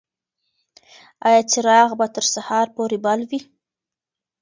ایا څراغ به تر سهار پورې بل وي؟